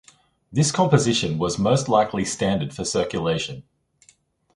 This composition was most likely standard for circulation.